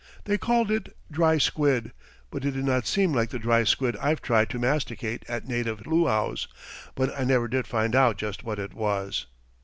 They called it dry squid, but it did not seem like the dry squid I've tried to masticate at native luaus, and I never did find out just what it was.